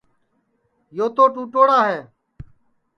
یو تو ٹُوٹوڑا ہے